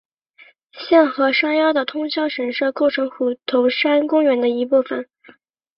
现和山腰的通霄神社构成虎头山公园一部分。